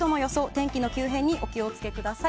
天気の急変にお気をつけください。